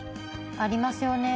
ありますよね